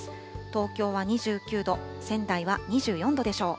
東京は２９度、仙台は２４度でしょう。